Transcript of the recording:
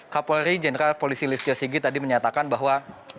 kapolri jenderal polisi listio sigi tadi menyatakan bahwa